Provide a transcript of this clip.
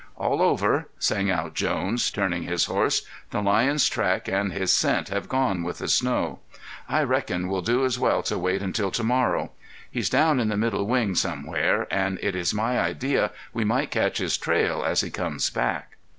"All over," sang out Jones, turning his horse. "The lion's track and his scent have gone with the snow. I reckon we'll do as well to wait until to morrow. He's down in the middle wing somewhere and it is my idea we might catch his trail as he comes back."